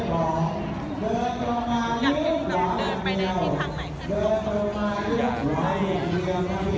ก็อยากให้เบอร์ชาติไปเลือกคนที่คิดว่าดีดีกว่าสุด